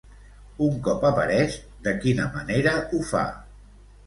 Un cop apareix, de quina manera ho fa?